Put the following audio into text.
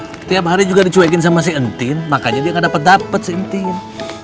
setelah tiap hari juga dicuekin sama si intin makanya dia nggak dapat dapet si intin